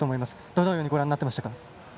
どのようにご覧になりましたか。